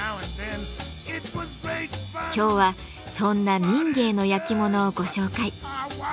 今日はそんな民藝のやきものをご紹介。